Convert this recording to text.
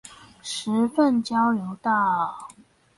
十份交流道